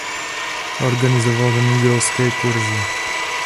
Organizoval zemědělské kurzy.